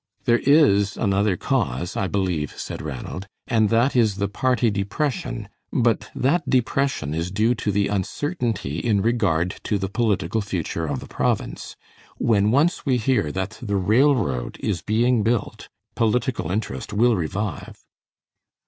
"There is another cause, I believe," said Ranald, "and that is the party depression, but that depression is due to the uncertainty in regard to the political future of the province. When once we hear that the railroad is being built, political interest will revive."